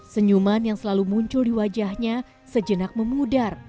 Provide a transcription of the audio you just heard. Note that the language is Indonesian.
senyuman yang selalu muncul di wajahnya sejenak memudar